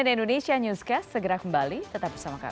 s miner indonesia newscast segera kembali tetap bersama kami